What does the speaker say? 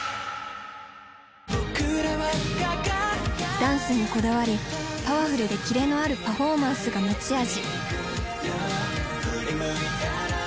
ダンスにこだわりパワフルでキレのあるパフォーマンスが持ち味。